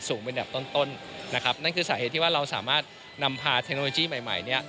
เป็นดับต้นต้นนะครับนั่นคือสาเหตุที่ว่าเราสามารถนำพาเทคโนโลยีใหม่ใหม่เนี่ย